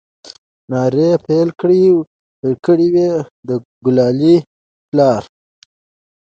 نارې يې پيل كړې وه د ګلالي پلاره!